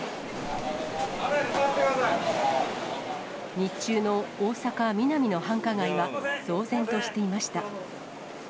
日中の大阪・ミナミの繁華街は、騒然としていました。